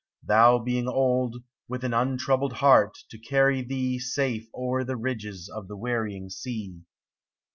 Thou being old, With an untroubled heart to carry thee Safe o'er the ridges of the wearying sea.